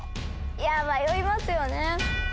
いや迷いますよね。